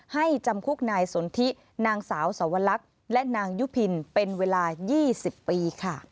จำคุกนายสนทินางสาวสวรรคและนางยุพินเป็นเวลา๒๐ปีค่ะ